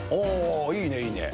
いいね、いいね。